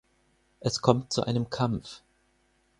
Es kommt zu einem Kampf.